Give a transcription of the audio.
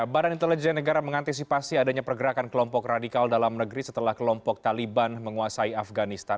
badan intelijen negara mengantisipasi adanya pergerakan kelompok radikal dalam negeri setelah kelompok taliban menguasai afganistan